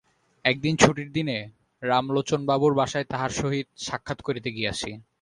একদিন ছুটির দিনে রামলোচনবাবুর বাসায় তাঁহার সহিত সাক্ষাৎ করিতে গিয়াছি।